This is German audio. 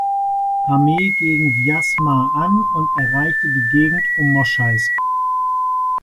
Armee gegen Wjasma an und erreichte die Gegend um Moschaisk.